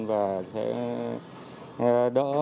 và sẽ giúp đỡ người dân